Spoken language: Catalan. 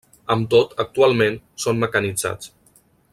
Amb tot, actualment, són mecanitzats.